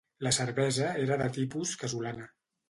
La cervesa era de tipus casolana.